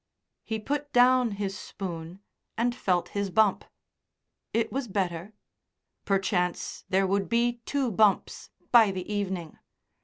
He put down his spoon, and felt his bump. It was better; perchance there would be two bumps by the evening.